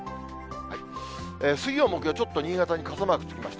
水曜、木曜、ちょっと新潟に傘マークつきました。